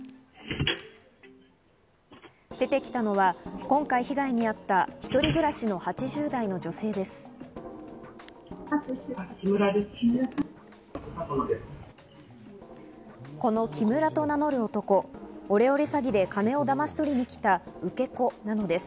出てきたのは今回、被害に遭った、一人暮らしの８０代の女性です。